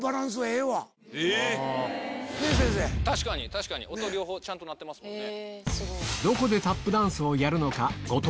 確かに音両方ちゃんと鳴ってますもんね。